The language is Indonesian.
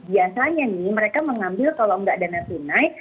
biasanya nih mereka mengambil kalau nggak dana tunai